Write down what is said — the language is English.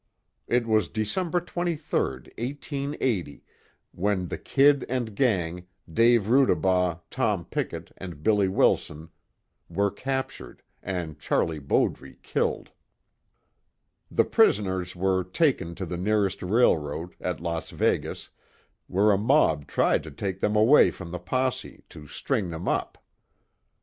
It was December 23rd, 1880, when the "Kid" and gang, Dave Rudebaugh, Tom Pickett and Billy Wilson were captured, and Charlie Bowdre killed. The prisoners were taken to the nearest railroad, at Las Vegas, where a mob tried to take them away from the posse, to string them up.